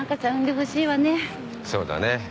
そうだね。